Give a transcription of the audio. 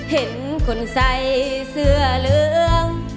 เห็นคนใส่เสื้อเหลือง